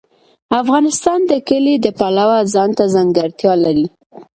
افغانستان د کلي د پلوه ځانته ځانګړتیا لري.